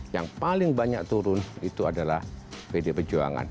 yang paling banyak turun itu adalah pdi perjuangan